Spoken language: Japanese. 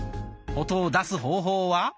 音を出す方法は。